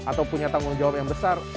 atau punya tanggung jawab yang besar